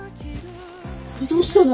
これどうしたの？